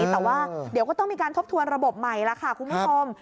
แต่ว่าเดี๋ยวก็ต้องมีการทบทวนระบบใหม่แล้วค่ะคุณผู้ชม